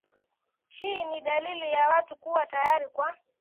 hii ni dalili ya watu kuwa tayari kwa